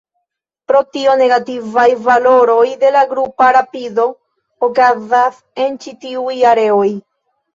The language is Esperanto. Pro tio, negativaj valoroj de la grupa rapido okazas en ĉi tiuj areoj.